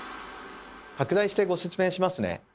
拡大してご説明しますね。